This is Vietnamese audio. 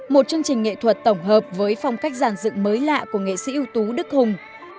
một chương trình nghệ thuật tổng hợp với phong cách giản dựng mới lạ của nghệ sĩ ưu tú đức hùng